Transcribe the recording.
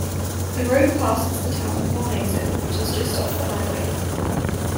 The road passes the town of Mornington which is just off the highway.